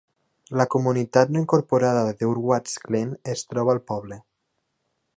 La comunitat no incorporada de Durwards Glen es troba al poble.